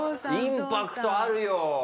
インパクトあるよ。